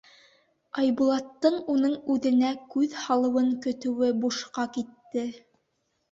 Айбулаттың уның үҙенә күҙ һалыуын көтөүе бушҡа китте.